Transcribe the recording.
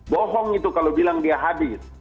bohong itu kalau bilang dia habis